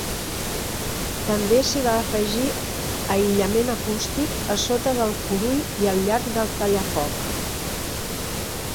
També s'hi va afegir aïllament acústic a sota del curull i al llarg del tallafoc.